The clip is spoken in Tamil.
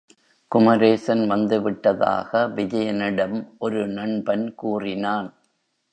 குமரேசன் வந்து விட்டதாக விஜயனிடம் ஒரு நண்பன் கூறினான்.